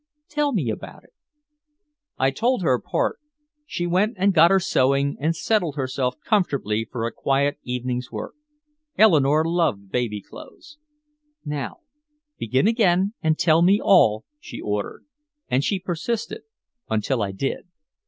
"Tell me about it." I told her part. She went and got her sewing, and settled herself comfortably for a quiet evening's work. Eleanore loved baby clothes. "Now begin again and tell me all," she ordered. And she persisted until I did.